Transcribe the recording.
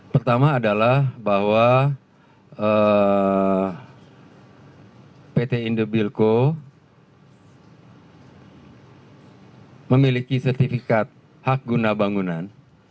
pertama adalah bahwa pt indobilco memiliki sertifikat hak guna bangunan